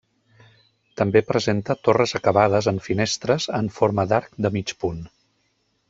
També presenta torres acabades en finestres en forma d'arc de mig punt.